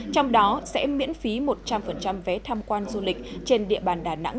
trong đó sẽ miễn phí một trăm linh vé tham quan du lịch trên địa bàn đà nẵng